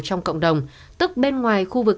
trong cộng đồng tức bên ngoài khu vực